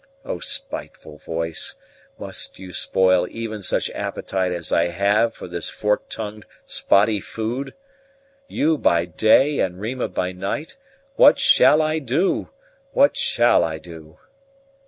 "O spiteful voice, must you spoil even such appetite as I have for this fork tongued spotty food? You by day and Rima by night what shall I do what shall I do?"